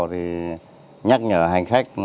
thì nhắc nhở hành khách